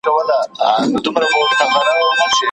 څېړنیزه مقاله باید له ټولو علمي معیارونو سره برابره وي.